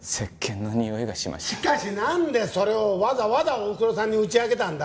しかしなんでそれをわざわざおふくろさんに打ち明けたんだ？